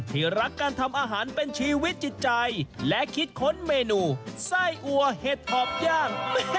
ที่รักการทำอาหารเป็นชีวิตจิตใจและคิดค้นเมนูไส้อัวเห็ดถอบย่าง